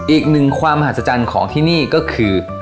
อีกหนึ่งความมหัศจรรย์ของที่นี่ก็คือ